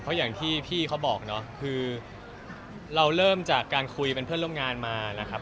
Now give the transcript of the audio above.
เพราะอย่างที่พี่เขาบอกเนาะคือเราเริ่มจากการคุยเป็นเพื่อนร่วมงานมานะครับ